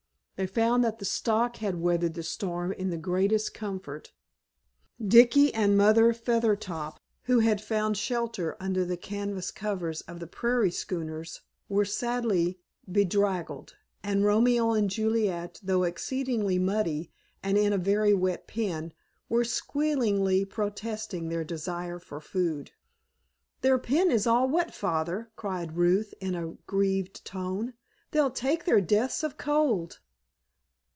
They found that the stock had weathered the storm in the greatest comfort. Dicky and Mother Feathertop, who had found shelter under the canvas covers of the prairie schooners, were sadly bedraggled, and Romeo and Juliet, though exceedingly muddy, and in a very wet pen, were squealingly protesting their desire for food. "Their pen is all wet, Father," cried Ruth in a grieved tone; "they'll take their deaths of cold."